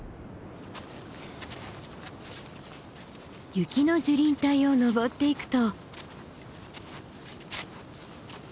雪の樹林帯を登っていくと。